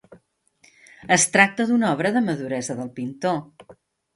Es tracta d'una obra de maduresa del pintor.